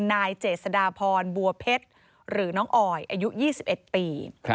นายเจษฎาพรบัวเพชรหรือน้องออยอายุ๒๑ปี